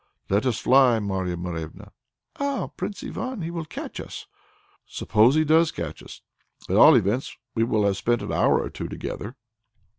"Let us fly, Marya Morevna!" "Ah, Prince Ivan! he will catch us." "Suppose he does catch us. At all events we shall have spent an hour or two together."